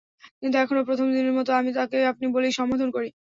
কিন্তু এখনো প্রথম দিনের মতো আমি তাঁকে আপনি বলেই সম্বোধন করি।